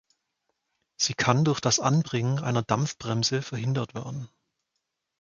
Sie kann durch das Anbringen einer Dampfbremse verhindert werden.